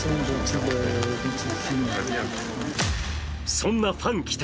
そんなファン期待